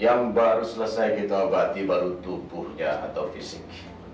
yang baru selesai kita obati baru tubuhnya atau fisik